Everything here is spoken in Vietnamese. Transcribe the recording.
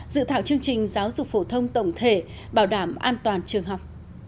dự thảo chương trình giáo dục phổ thông tổng thể bảo đảm an toàn trường học